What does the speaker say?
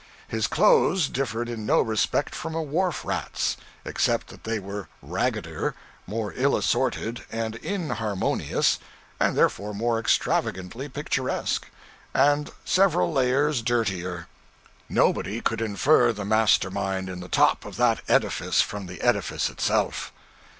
His clothes differed in no respect from a 'wharf rat's,' except that they were raggeder, more ill assorted and inharmonious (and therefore more extravagantly picturesque), and several layers dirtier. Nobody could infer the master mind in the top of that edifice from the edifice itself.